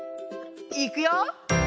いくよ！